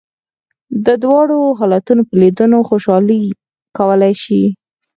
د دواړو حالتونو په لیدلو خوشالي کولای شې.